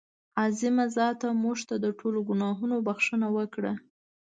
عظیمه ذاته مونږ ته د ټولو ګناهونو بښنه وکړه.